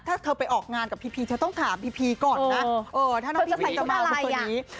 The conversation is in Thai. ถ้าเธอไปออกงานกับพีพีจะต้องถามพีพีถ้าท่าน้องผอนี้